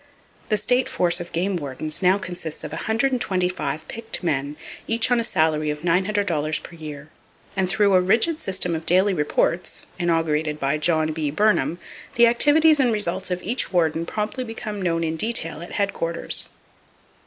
The state force of game wardens now consists of 125 picked men, each on a salary of $900 per year, and through a rigid system of daily reports (inaugurated by John B. Burnham) the activities and results of each warden promptly become known in detail at headquarters.